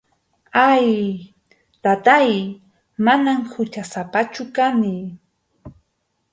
Ay, Taytáy, manam huchasapachu kani.